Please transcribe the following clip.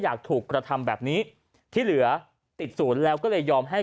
อยากถูกกระทำแบบนี้ที่เหลือติดศูนย์แล้วก็เลยยอมให้